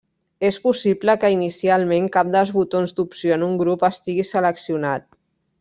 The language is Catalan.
És possible que, inicialment, cap dels botons d'opció en un grup estigui seleccionat.